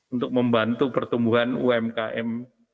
untuk membantu pertumbuhan umkm